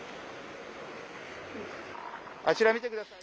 あちら見てください。